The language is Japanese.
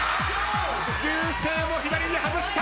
流星も左に外した！